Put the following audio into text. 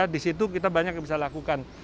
di situ kita banyak yang bisa lakukan